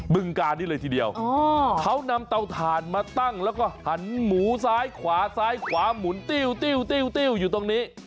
ึงการนี้เลยทีเดียวเขานำเตาถ่านมาตั้งแล้วก็หันหมูซ้ายขวาซ้ายขวาหมุนติ้วติ้วติ้วอยู่ตรงนี้